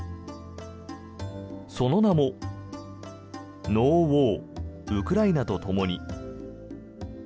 その名もＮＯＷＡＲ−ウクライナとともに−。